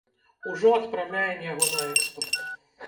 Ужо адпраўляем яго на экспарт.